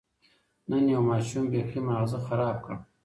نن یو ماشوم بېخي ماغزه خراب کړ.